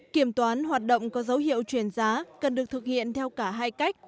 kiểm toán hoạt động có dấu hiệu chuyển giá cần được thực hiện theo cả hai cách